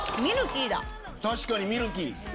確かにミルキー。